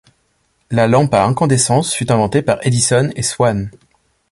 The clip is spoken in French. La lampe à incandescence fut inventée par Edison et Swan.